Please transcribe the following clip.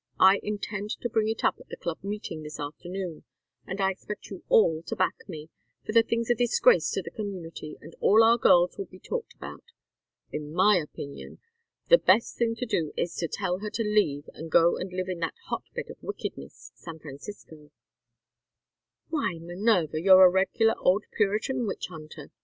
I intend to bring it up at the Club Meeting this afternoon, and I expect you all to back me, for the thing's a disgrace to the community, and all our girls will be talked about. In my opinion the best thing to do is to tell her to leave and go and live in that hot bed of wickedness, San Francisco." "Why Minerva, you're a regular old Puritan witch hunter!"